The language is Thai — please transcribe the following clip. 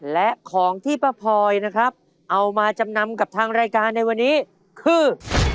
และของที่ป้าพลอยนะครับเอามาจำนำกับทางรายการในวันนี้คือ